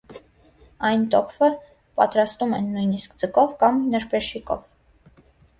Այնտոպֆը պատրաստում են նույնիսկ ձկով կամ նրբերշիկով։